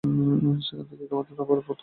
সেখান থেকে তোমাদের আবার পত্র দেব।